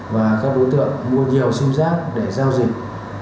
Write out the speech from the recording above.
và các đối tượng mua nhiều sim giác để giao dịch